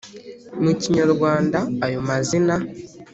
mu Kinyarwanda. Ayo mazina